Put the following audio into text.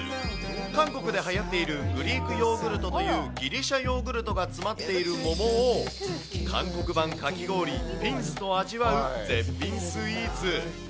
韓国ではやっているグリークヨーグルトというギリシャヨーグルトが詰まっている桃を、韓国版かき氷、ピンスと味わう絶品スイーツ。